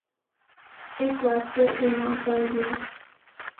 اس واسطے اے ناں پڑھ گیا۔